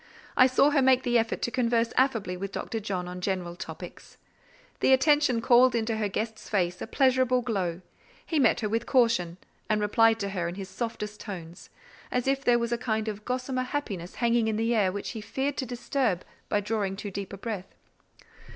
I saw her make the effort to converse affably with Dr. John on general topics. The attention called into her guest's face a pleasurable glow; he met her with caution, and replied to her in his softest tones, as if there was a kind of gossamer happiness hanging in the air which he feared to disturb by drawing too deep a breath.